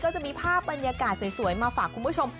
จะมีภาพบรรยากาศสวยมาฝากคุณผู้ชม